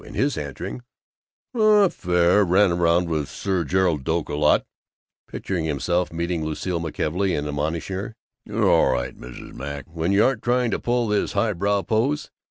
and his answering, "Oh, fair; ran around with Sir Gerald Doak a lot;" picturing himself meeting Lucile McKelvey and admonishing her, "You're all right, Mrs. Mac, when you aren't trying to pull this highbrow pose.